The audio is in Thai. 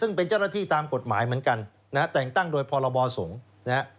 ซึ่งเป็นเจ้าหน้าที่ตามกฎหมายเหมือนกันนะฮะแต่งตั้งโดยพรบสงฆ์นะฮะ